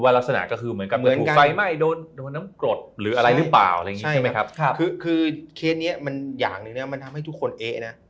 เป็นอย่างหนึ่งเนี่ยมันทำให้ทุกคนเอ๊ะนะ